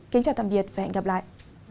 kính chào tạm biệt và hẹn gặp lại